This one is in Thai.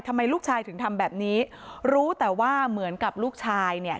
ทำไมลูกชายถึงทำแบบนี้รู้แต่ว่าเหมือนกับลูกชายเนี่ย